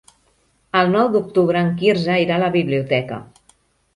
El nou d'octubre en Quirze irà a la biblioteca.